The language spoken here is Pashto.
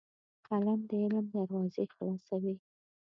قلم د علم دروازې خلاصوي